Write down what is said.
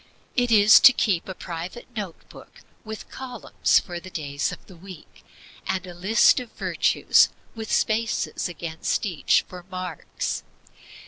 It is to keep a private note book with columns for the days of the week, and a list of virtues, with spaces against each for marks.